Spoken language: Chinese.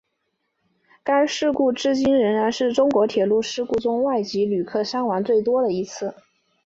该事故至今仍然是中国铁路事故中外籍旅客伤亡最多的一次。